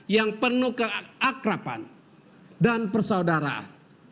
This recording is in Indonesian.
yang penuh keakrapan dan persaudaraan